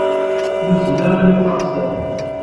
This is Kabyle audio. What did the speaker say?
Nuzzel armi d taɣsert.